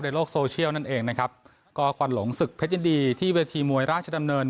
ในโลกโซเชียลนั่นเองนะครับก็ควันหลงศึกเพชรยินดีที่เวทีมวยราชดำเนิน